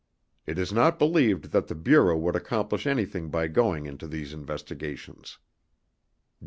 It is not believed that the Bureau would accomplish anything by going into these investigations.